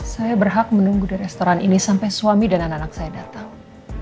saya berhak menunggu di restoran ini sampai suami dan anak anak saya datang